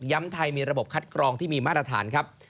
ไทยมีระบบคัดกรองที่มีมาตรฐานครับ